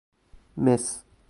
مس